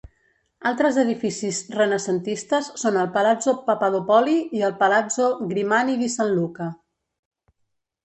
Altres edificis renacentistes són el Palazzo Papadopoli i el Palazzo Grimani di San Luca.